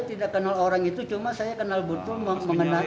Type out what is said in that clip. tidak kenal orang itu cuma saya kenal betul mengenal